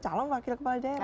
calon wakil kepala daerah